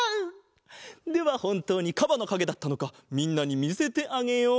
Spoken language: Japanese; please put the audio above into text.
ではほんとうにかばのかげだったのかみんなにみせてあげよう！